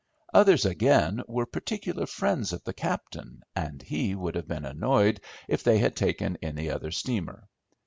Others again were particular friends of the captain, and he would have been annoyed if they had taken any other steamer.